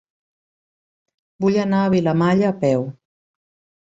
Vull anar a Vilamalla a peu.